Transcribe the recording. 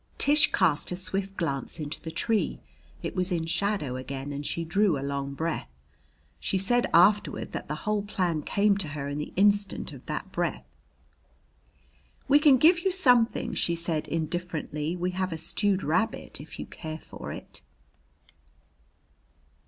Tish cast a swift glance into the tree. It was in shadow again and she drew a long breath. She said afterward that the whole plan came to her in the instant of that breath. "We can give you something," she said indifferently. "We have a stewed rabbit, if you care for it."